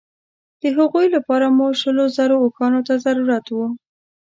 د هغوی لپاره مو شلو زرو اوښانو ته ضرورت وو.